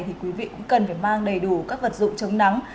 thì quý vị cũng cần phải mang đầy đủ các vật dụng chống nắng